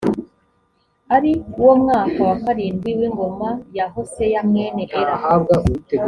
ari wo mwaka wa karindwi w’ingoma ya hoseya mwene ela